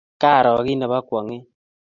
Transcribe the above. Karo kit ne po kwong'et